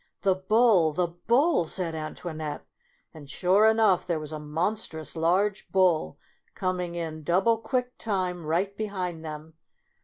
" The bull, the bull," said Antoinette, and sure enough there was a monstrous large bull coming in double quick time right behind them.